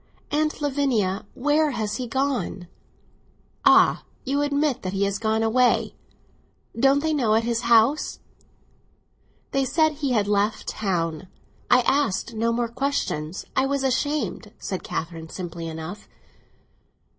"Aunt Lavinia, where has he gone?" "Ah, you admit, then, that he has gone away? Didn't they know at his house?" "They said he had left town. I asked no more questions; I was ashamed," said Catherine, simply enough.